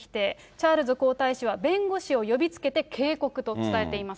チャールズ皇太子は弁護士を呼びつけて、警告と伝えています。